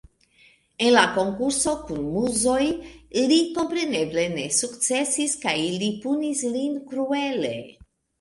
En la konkurso kun Muzoj li kompreneble ne sukcesis kaj ili punis lin kruele.